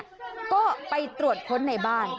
ก็ไปตรวจคนในบ้าน